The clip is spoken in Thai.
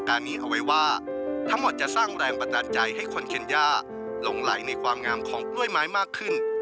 คุณว่าทั้งหมดจะสร้างแรงประดานใจให้คนเข็ญยาลงไหลในความงามของกล้วยไม้มากขึ้น